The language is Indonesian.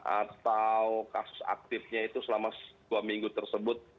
atau kasus aktifnya itu selama dua minggu tersebut